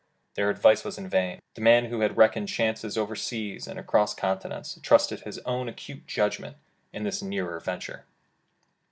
Their advice was in vain. The man who had reckoned chances over seas, and across continents, trusted his own acute judgment in this nearer venture.